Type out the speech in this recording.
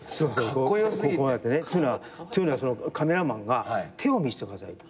こうやって。というのはカメラマンが「手を見してください」